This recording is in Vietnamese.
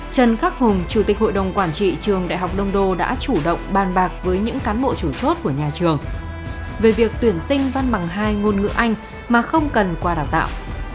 trần khắc hùng chủ tịch hội đồng quản trị trường đại học đông đô đã chủ động bàn bạc với những cán bộ chủ chốt của nhà trường về việc tuyển sinh văn bằng hai ngôn ngữ anh mà không cần qua đào tạo